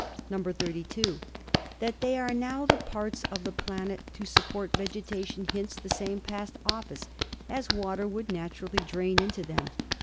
"(32) That they are now the parts of the planet to sup port vegetation hints the same past office, as water would naturally drain into them.